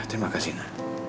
terima kasih ina